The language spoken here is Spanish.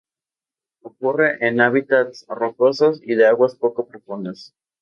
Ocurre en hábitats rocosos, de aguas poco profundas.